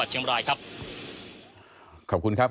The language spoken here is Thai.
คุณทัศนาควดทองเลยค่ะ